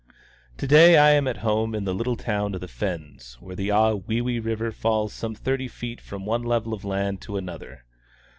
To day I am at home in the little town of the fens, where the Ahwewee River falls some thirty feet from one level of land to another.